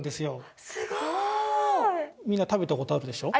みんな食べたことあるでしょ？